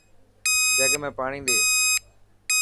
جگ ۾ پاڻي ڏي.